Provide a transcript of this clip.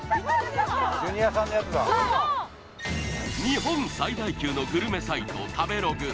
日本最大級のグルメサイト食べログ